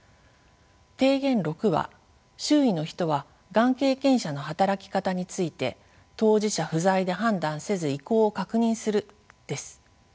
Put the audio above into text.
提言６は周囲の人はがん経験者の働き方について当事者不在で判断せず意向を確認するです。